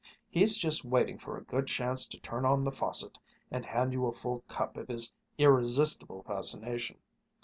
He's just waiting for a good chance to turn on the faucet and hand you a full cup of his irresistible fascination."